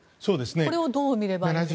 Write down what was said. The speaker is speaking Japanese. これをどう見ればいいですか。